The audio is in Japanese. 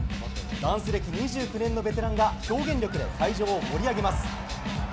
ダンス歴２９年のベテランが表現力で会場を盛り上げます。